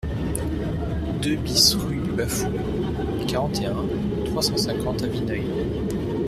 deux BIS rue de Bas Foux, quarante et un, trois cent cinquante à Vineuil